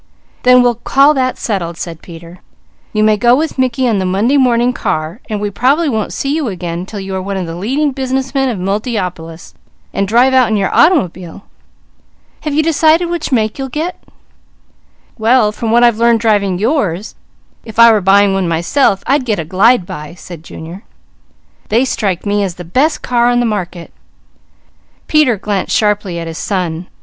"Then we'll call that settled," said Peter. "You may go with Mickey on the Monday morning car and we probably won't see you again till you are one of the leading business men of Multiopolis, and drive out in your automobile. Have you decided which make you'll get?" "Well from what I've learned driving yours, if I were buying one myself, I'd get a Glide by," said Junior. "They strike me as the best car on the market." Peter glanced sharply at his son.